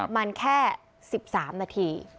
มันแค่๑๓นาที